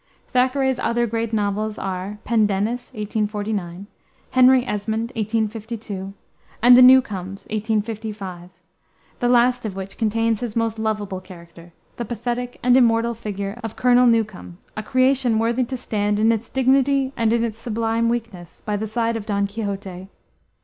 Thackeray's other great novels are Pendennis, 1849; Henry Esmond, 1852; and The Newcomes, 1855 the last of which contains his most lovable character, the pathetic and immortal figure of Colonel Newcome, a creation worthy to stand, in its dignity and its sublime weakness, by the side of Don Quixote.